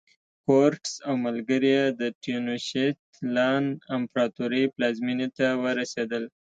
کورټز او ملګري یې د تینوشیت لان امپراتورۍ پلازمېنې ته ورسېدل.